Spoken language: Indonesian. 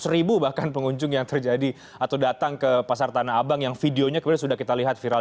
seratus ribu bahkan pengunjung yang terjadi atau datang ke pasar tanah abang yang videonya kemudian sudah kita lihat viral